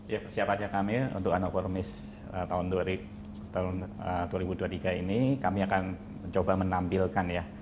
ya persiapannya kami untuk anofarumis tahun dua ribu dua puluh tiga ini kami akan mencoba menampilkan ya